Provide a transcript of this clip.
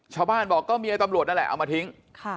ชาวบ้านบอกก็เมียตำรวจนั่นแหละเอามาทิ้ง